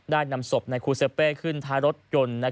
ได้นำศพในคูเซเปขึ้นท้ายรถจน